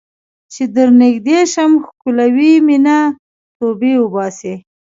چې درنږدې شم ښکلوې مې نه ، توبې وباسې